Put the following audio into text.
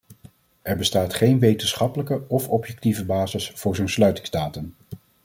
Er bestaat geen wetenschappelijke of objectieve basis voor zo’n sluitingsdatum.